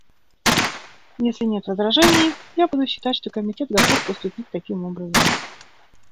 Если нет возражений, я буду считать, что Комитет готов поступить таким образом.